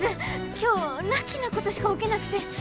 今日ラッキーなことしか起きなくて！